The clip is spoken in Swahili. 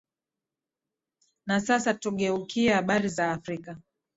na sasa tugeukie habari za afrika